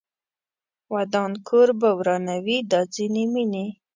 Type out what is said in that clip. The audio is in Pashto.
ودان کور به ورانوي دا ځینې مینې